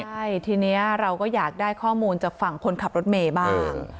ใช่ทีนี้เราก็อยากได้ข้อมูลจากฝั่งคนขับรถเมย์บ้าง